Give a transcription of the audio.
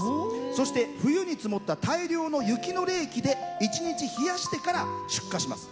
そして、冬に積もった大量の雪の冷気で一日冷やしてから出荷します。